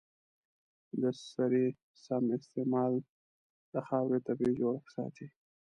د سرې سم استعمال د خاورې طبیعي جوړښت ساتي.